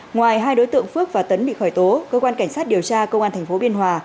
ngoài hai đối tượng phước và tấn bị khởi tố cơ quan cảnh sát điều tra công an tp biên hòa